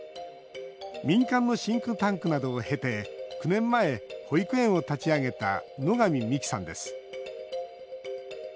民間のシンクタンクなどを経て９年前、保育園を立ち上げた野上美希さんです。